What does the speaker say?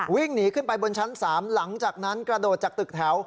วิ่งหนีขึ้นไปบนชั้น๓หลังจากนั้นกระโดดจากตึกแถว